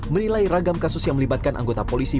menilai ragam kasus yang melibatkan anggota polisi